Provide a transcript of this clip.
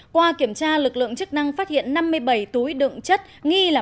qua kiểm tra lực lượng chức năng phát hiện năm mươi bảy túi đựng chất nghi là